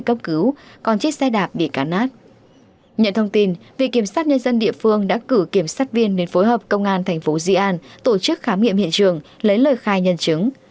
nhận thông tin viện kiểm sát nhân dân địa phương đã cử kiểm sát viên đến phối hợp công an thành phố di an tổ chức khám nghiệm hiện trường lấy lời khai nhân chứng